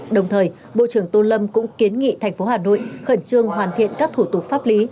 đồng thời bộ trưởng tô lâm cũng kiến nghị thành phố hà nội khẩn trương hoàn thiện các thủ tục pháp lý